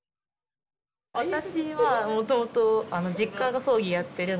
私はもともと実家が葬儀やってるので。